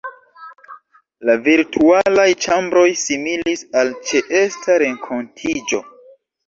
La virtualaj ĉambroj similis al ĉeesta renkontiĝo.